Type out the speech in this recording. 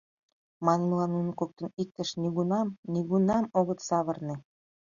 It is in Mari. Манмыла, нуно коктын иктыш нигунам-нигунам огыт савырне.